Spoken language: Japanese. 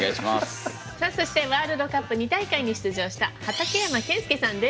さあそしてワールドカップ２大会に出場した畠山健介さんです。